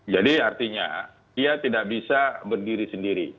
artinya dia tidak bisa berdiri sendiri